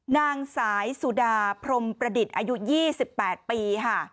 นางสายสุดาพรมประดิษฐ์อายุ๒๘ปีค่ะ